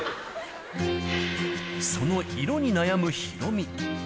その色に悩むヒロミ。